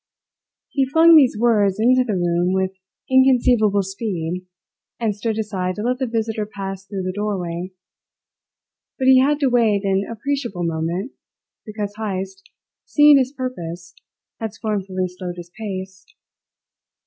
He flung these words into the room with inconceivable speed, and stood aside to let the visitor pass through the doorway; but he had to wait an appreciable moment, because Heyst, seeing his purpose, had scornfully slowed his pace.